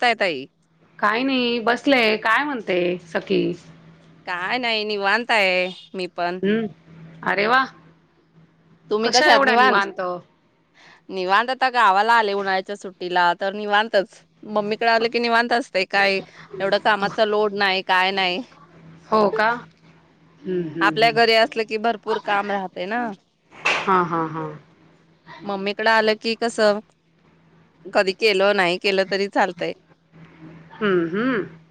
ताय ताई काही नाही बसलेय, काय म्हण ते सखी काय नाही निवांत आहे मी पण हम्म अरे वा! तुम्ही कशा कशात एवढ्या निवांत? निवांत आता गावाला आले, उन्हाळ्याच्या सुट्टीला तर निवांतच. मम्मीकडे आलं की निवांत असतय काय एवढं कामाचा लोड नाही काय नाही. हो का हम्म हम्म आपल्या हम्म घरी असलं कि भरपूर काम राहते ना हा हा हा मम्मीकडे आलं की कस कधी केलं नाही केल तरी चालतय. हम्म हम्म हम्म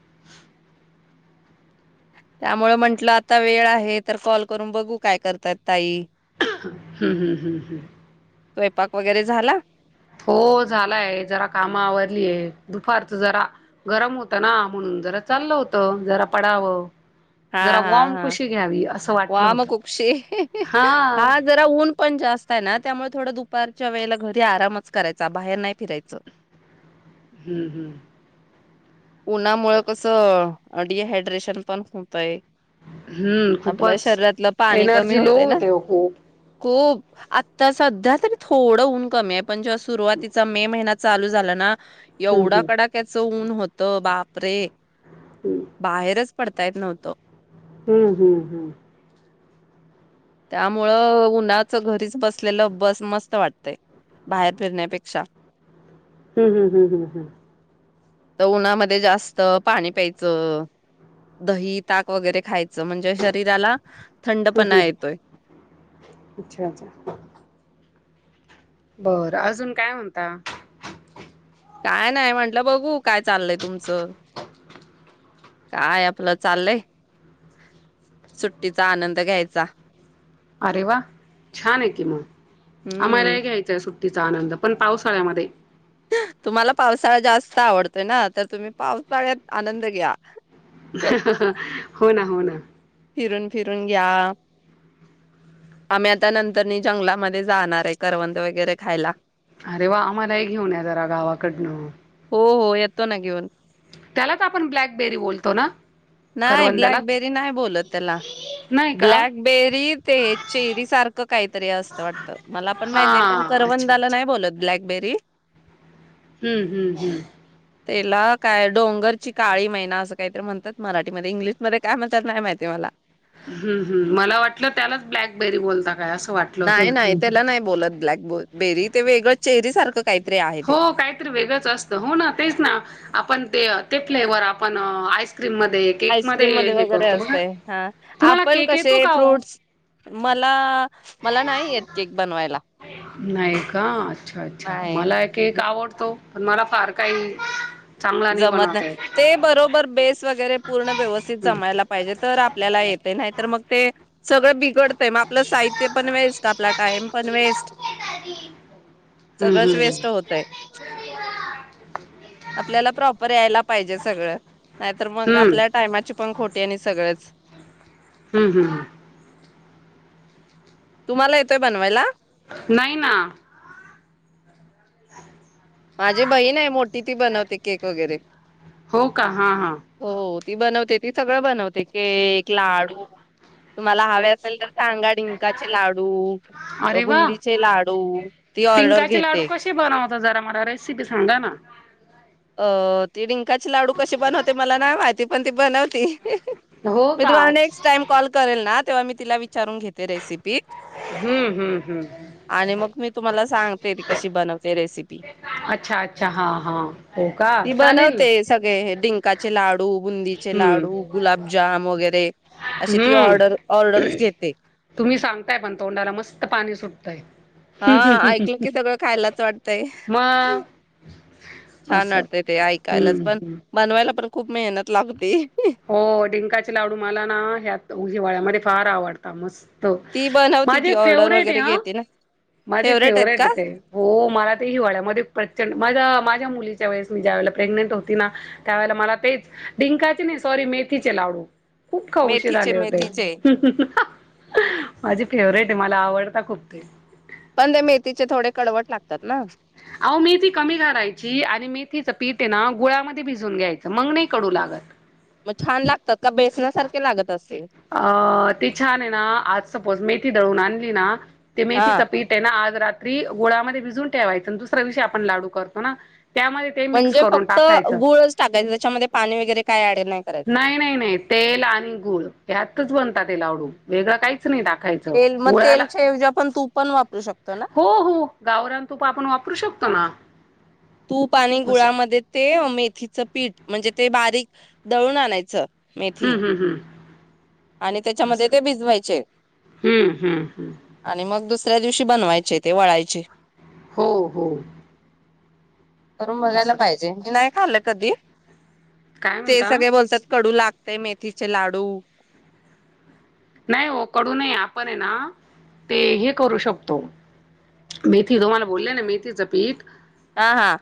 त्यामुळे म्हंटलं आता वेळ आहे तर कॉल करून बघू, काय करतायत ताई? हम्म हम्म हम्म हम्म स्वयंपाक वगैरे झाला? हो झालाय जरा कामा आवरलीय, दुपारच जरा गरम होत ना म्हणून जरा चाललं होत जरा पडावं हा जरा हा वॉम हा कुशी घ्यावी. असं वाटलं वाम होतं खूपशी हा जरा ऊन पण जास्त आहे ना. त्यामुळे थोडं दुपारच्या वेळेला घरी आरामच करायचा बाहेर नाही फिरायच? हम्म -हम्म. उन्हामुळं कसं. डिहायड्रेशन पण होतयं. हम्म खूपच पाणी कमी एनर्जी लो होतय ना होते ओ. खूप आता सध्या तरी थोडं ऊन कमी हाय बघ, पण ज्या सुरुवातीचा मे महिन्यात पण चालू झालं ना. हम्म एवढां हम्म कडाक्याच ऊन होत तो बापरे! हम्म बाहेरच, पडता येत नव्हत, हम्म हम्म हम्म. त्यामुळं उन्हाच घरीच बसलेलं बस मस्त वाटतयं बाहेर फिरण्यापेक्षा, हम्म हम्म हम्म हम्म हम्म. तर उन्हामध्ये जास्त पाणी प्यायचं. दही, ताक वगैरे खायचं म्हणजे शरीराला, थंड हम्म, पणा हम्म. येत अच्छा, अच्छा. बरं अजून काय म्हणता. काय नाही म्हंटलं बघू, काय चाललयं तुमचं काय आपलं चाललयं सुट्टीचा आनंद घ्यायचा. अरे वा! छान आहे कि मगं, आम्हाला हम्म. हे घ्यायचं आहे सुट्टी सुट्टीचा आनंद पण पावसाळ्यामध्ये, तुम्हाला पावसाळा जास्त आवडतोय, ना तर तुम्ही पावसाळ्यात आनंद घ्या. [unintelligible] हो ना, हो ना, फिरून, फिरून घ्या आम्ही आता नंतरनी जंगलामध्ये जाणार आहे. करवंद वगैरे खायला. अरे वा! आम्हालाही घेऊन या जरा गावाकडनं, हो हो येतो ना घेऊन. त्यालाच आपण ब्लॅकबेरी बोलतो ना नाही करवंदलाच, ब्लॅकबेरी नाही बोलत ब्लॅकबेरी ते चेरी सारख काहीतरी असत वाटत. मला पण माहित हा नाही. पण अच्छा करवंदाला अच्छा नाही बोलत. ब्लॅकबेरी. हम्म हम्म हम्म त्याला काय डोंगरची, काळी मैना, असं काहीतरी म्हणतात. मराठीमध्ये इंग्लिशमध्ये काय म्हणतात नाही माहिती,. ते मला, ह्म ह्म मला वाटलं त्यालाच ब्लॅकबेरी बोलता काय अस नाही नाही त्याला नाही बोलत, ब्लॅकबो बेरी ते वेळं चेरी सारखं, काहीतरी आहे ते हो काहीतरी वेगळंच असतं हो ना तेच ना आपण ते ते फ्लेवर आपण आइस आईस्क्रीम मध्ये वगैरे असते, हा तुम्हाला आपण केक कसे येतो का ओ? फ्रूट्स मला मला नाही येत केक बनवायला. नाही का? अच्छा अच्छा मला नाही एक केक आवडतो पण मला फार काही चांगला जमत बनवता नाही येत. ते बरोबर बेस वगैरे पूर्ण व्यवस्थित हं. जमायला पाहिजे तर आपल्याला येत नाही तर मग ते सगळ बिघडतय मग आपलं साहित्य पण वेस्ट आपला टाइम पण वेस्ट हं सगळच हं. वेस्ट होतय प्रॉपर यायला पाहिजे सगळं नाही तर मग हं. आपल्या टायमाची पण खोटी आहे आणि सगळेच हम्म हम् हम् तुम्हाला येतोय बनवायला नाहीना माझी बहीण आहे मोठी ती बनवते केक वगैरे हो का? हां हां. हो ती बनवते ती सगळं बनवते केक लाडू तुम्हाला हवे असेल तर सांगाडिंकाचे लाडू अरे वा! बुंदीचे लाडू ती ऑर्डर घेते रेी बसांडा ना अ तिडींग च लाडू कशी बनवते मला नाही माहिती पण ती बनवती हो मी का? तुम्हाला नेक्स्ट अच्छा. टाइम कॉल करेल ना तेव्हा म तिला विचारून घेते रेसिपी हं हं हं. आणि म मी तुम्हाला सांगते ती कशी बनवते रेसिपी अच्छा अच्छा हा हा हो का ती चालेल ना बनवते सगळे डंकाचे लावड हम्म बु हम्म लाड तुम्ही सांगताय पण तोंडाला मस्त गुजम पाणी सुटतंय वड मग ख छान असं अडते ते ऐकायलाच हम्म पण हम्म बनवायला पण खूप मेहनत लागते हो डंकाचे लाडू मला ना ह्यात उझवाळ्यामध्ये फार आवडता मस् ती बनवती माझे ती ऑर्डर फेवरेट आहे वगैरे ह घेते ना. माझे आहेत फेवरेट का? ते हो मला ते हिवाळ्या मध्ये प्रचंड माझ माझ व प्र हो त्या मला. सॉरी मेथी चलावू. खूप खौशीर मेथीचे आले होते. मेथीचे माझी फेवरेट आहे मला आवडता खूप ते पण ते मेथीचे थोडे कडवट लागतात ना. अहो मेथी कमी घालायची आणि मेथीच पीठे ना गुळामध्ये भिजून घ्यायचं मंगणे कडू लागत. मग छान लागतात का बेसण्यासारखे लागत अस. अ ते छान आहे ना आज सपोज मेथी दळून आण. ते ना ते हा मेथीच पीठ आहे ना आज रात्री त्रि गोळामध्ये भिजून ठेवायच दुसऱ्या दिवशी आपण लाडू करतो ना त्यामध्ये ते मिक्स म्हणजे करून फक्त टाकायचं. गुळच टाकायचे त्याच्यामध्ये पाणी वगैरे काय ॲड नाही? करायचं नाही, नाही, नाही, तेल आणि गुळ त्यातच बनत. लाडू वेगळं कायच तेल मग तेलच्याऐवजी आपण तूप पण वापरू शकतो. ना हो, हो गावरान तूप आपण वापरू शकतो. शकतो ना तूप आणि असं गुळामध्ये ते मेथीचं पीठ म्हणजे ते बारीक दळून आणायचं. हुं, मेथी हुं, हुं. आणि तेच्यामध्ये ते भिजवायचे हं, हं, हं. आणि मग दुसर दुसऱ्या दिवशी बनवायचे ते वळायचे हो, हो. करून बघायला असं. पाहिजे की नाही खाल कधी? काय ते म्हणता? सगळे बोलतात कडू लाग ते मेथीचे लाडू नाही हो कडू नाही आपण हेना ते हे करू शकतो मेथी तुम्हाला बोले ना मेथीचं पीठ हा, हा.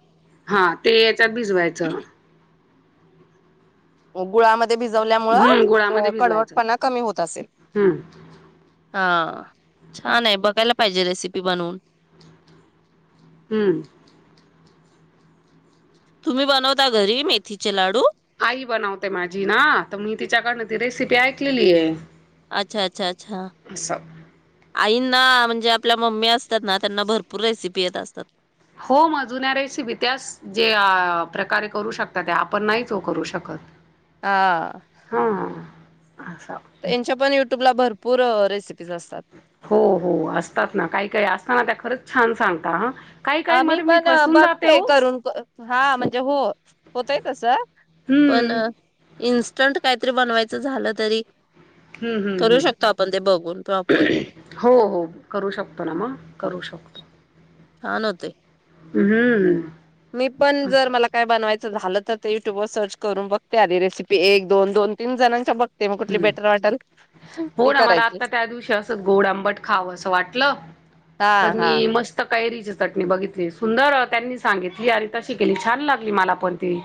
हा ते भिजवायचं गुळा म ध्ये भिजवल्यामुळ हम्म गुळामध्ये भिजवायचं कडवटपणा कमी होत आसेल हम्म हा छान आहे बघायला पाहिजे रेसिपी बनवून. हुं. तुम्ही बनवता घरी मेथीचे लाडू? आई बनवते माझी ना त मी तिच्याकडनं ती रेसिपी ऐकलेली आहे. अच्छा, अच्छा अच्छा आसं आईंना म्हणजे आपल्या मम्मी असतात ना त्यांना भरपूर रेसिपी येत असतात. हो मग जुन्या रेसिपी त्याच जे प्रकारे करू शकतात त्या आपण नाहीच करू शकत. हा. हा असं त्यांच्या पण युट्यूबला भरपूर [unintelligible] हो, हो आसतात ना काही काही असताना त्या खरच छान सांगता हं आ मी पण बघते करून हा म्हणजे हो होतय तसं पण हम्म इनस संट कायतरी बनवायचं झालं तरी हुं, हुं, करू शकतो आपण ते बघून प्रॉपर हुं हो हो करू शकतो ना मग करू शकतो. छान होतय. हुं. मी पण जर मला काय बनवायच झालं तर ते युट्यूब वर सर्च करून बघते आधी रेसिपी एक-दोन, दोन-तीन जणांच्या बघ हुं हो ना मला करायची आता त्या दिवशी असं गोड आंबट खावं असं वाटलं हा तर हा मी मस्त कैरीची चटणी बघित ली सुंदर त्यांनी सांगितली आणि तशी केली छान लागली मला पण ती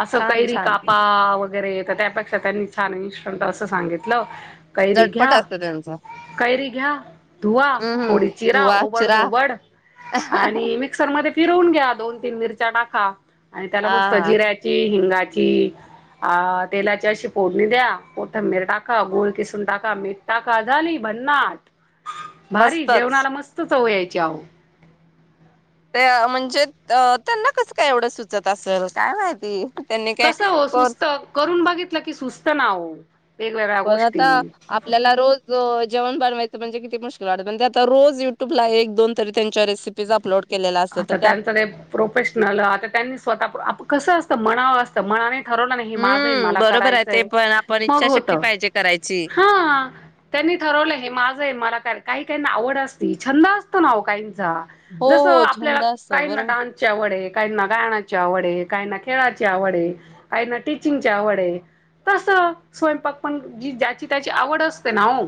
असं छान कैरी छान कापा वगैरे तर त्यापेक्षा त्यांनी छान इन्स ट आसं सांगितलं कैरी झटपट घ्या असतं त्यांचं कैरी घ्या धुवा हम्म हम्म थोडी चिरा धुवा चिरा ओबड-धोबड आणि मिक्सर मध्ये फिरवून घ्या दोन तीन मिरच्या टाका. आणि त्याला मस्त हा जिऱ्याची, हिंगाची, की आ तेलाची अशी फोडणी द्या. मोठं मीठ टाका गोल किसून टाका मीठ टाका झाली भन्नाट. भारी मस्तच जेवणाला मस्त चव याय [unintelligible] त्या म्हणजे अ त्यांना कसं काय एवढं सुचत आसल काय माहिती? त्यांनी काय कसं हो सुस्त कोर्स करून बघितलं की सुस्त ना ओ पण आता आपल्याला रोज जेवण बनवायचं म्हणजे किती मुश्किल वाटत पण ते आता रोज युट्यूबला एक दोन तरी त्यांच्या रेसिपीज अपलोड केलेल्या असतात तर आता त्या त्यांचं ते प्रोफेशनल आता त्यांनी स्वतः आप कस आस मनावरं असतं मनाने ठरवलं नाही हे माझं हे न हम्म मला बरोबर आहे ते करायचंय, पण आपण मग होत. इच्छाशक्ती पाहिजे करायची. हा त्यांनी ठरवलं हे माझं आहे मला करा काही काही ना आवड असती छंद असतो ना ओ काही चा हो जस आ हो आपल्याला छंद असतो काही ना बरोबर. डान्सची आवड आहे. काहींना गाण्याची आवड आहे, काहींना खेळाची आवड आहे, काहींना टीचिंगची आवड आहे तस स्वयंपाक पण जी ज्याची त्याची आवड असते ना ओ.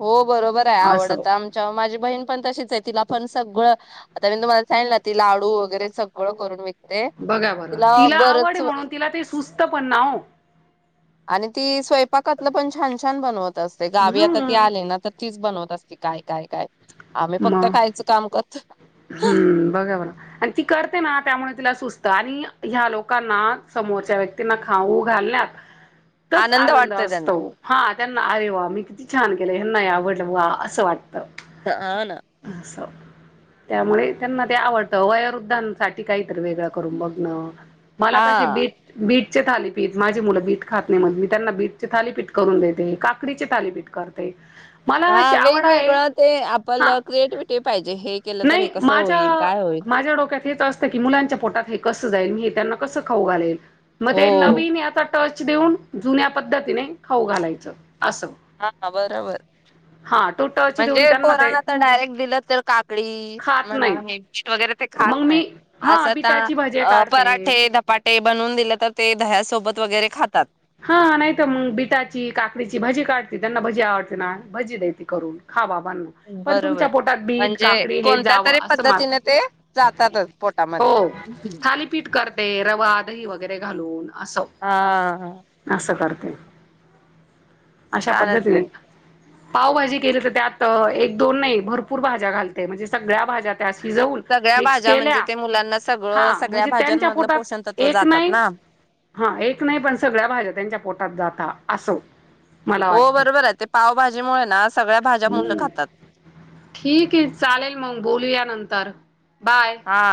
हो बरोबर आहे असं. आवडत आमच्या माझी बहीण पण तशीच आहे तिला पण सगळं, आता मी तुम्हाला सांगल ना ती लाडू वगैरे सगळं करून विक बघा बघा तिला आवड आहे म्हणून तिला ते सुचतं पण ना ओ. आणि ती स्वयंपाकातल पण छान छान बनवत असते गावी आता ती हं. आली ना तर तीच बनवत असते काय, काय, काय. आम्ही फक्त मग खायच काम करतोयं हं. बघा बरं. आणि ती करते ना त्यामुळे तिला सुचतं आणि ह्या लोकांना समोरच्या व्यक्तींना खाऊ घालण्यात तच आनंद वाटतोय त्यांना असतो हा त्यांना अरे वा! मी किती छान गेल्या हेंना हे आवडलं वा असं वाटतं. त अं न असं त्यामुळे त्यांना ते आवडतं वयोवृद्धांसाठी काहीतरी वेगळं करून बघणं मला कशी हा. बीट, बीट चे थालीपीठ माझे मुलं बीट खात नाही म्हणून मी त्यांना बीटचे थालीपीठ करून देते. काकडीचे थालीपीठ करते. मला हा अशी आवड आहे वेगवेगळं ते हा आपलं क्रिएटिव्हिटी पाय नाही माझ्या, माझ्या डोक्यात हेच असतं की मुलांच्या पोटात हे कसं जाईल? मी त्यांना कसं खाऊ घालेल? मध्ये हो. नवीन याचा टच देऊन, जुन्या पद्धतीने खाऊ घालायचं. असं हा बरोबर. हा तो टच देऊन म्हणजे त्यांना ते पोरांना तर डायरेक्ट दिल तर काकडी अं खात मनाव नाही नीट से वगैरे ते खात मग नाहीत मी हा असं तर बिटाची भजे अं काढते. पराठे, धपाटे बनवून दिले तर ते दह्यासोबत वगैरे खातात. हां नाही तर मग बीटाची, काकडीची भजी काढते त्यांना भजी आवडते ना, भजी देते करून खा बा पण, पण बरोबर तुमच्या पोटात बीट, म्हणजे काकडी हे कोणत्या जावं तरी असं माझं. पद्धतीने ते जातातच हो पोटामध्ये. थालीपीठ करते रवा, दही वगैरे घालून आसं. हा आसं करा. [inaudible] अशा चालत पद्धतीने नाही. पावभाजी केली तर त्यात एक, दोन नाही भरपूर भाज्या घालते म्हणजे सगळ्या भाज्या त्या शिजवून, सगळ्या मिक्स भाज्या केल्या म्हणजे ते मुलांना सगळं हां सगळ्या म्हणजे त्यांच्या भाज्यांमधलं पोटात पोषण तत्व एक जातात नाही, ना. हां एक नाही पण भाज्या त्यांच्या पोटात जाता आसो. हो बरोबर ये ते पाव भाजीमुळे ना सगळ्या भाज्या मुलं खातात. ठीक ये चालेल मंग बोलूया नंतर बाय हा